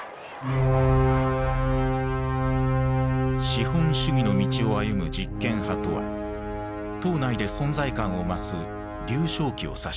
「資本主義の道を歩む実権派」とは党内で存在感を増す劉少奇を指していた。